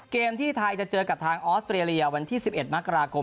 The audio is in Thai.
เกมที่ไทยจะเจอกับทางออสเตรเลียวันที่๑๑มกราคม